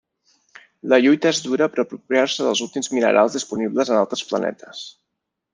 La lluita és dura per apropiar-se dels últims minerals disponibles en altres planetes.